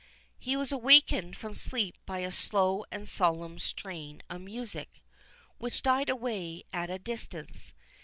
He was awakened from sleep by a slow and solemn strain of music, which died away as at a distance.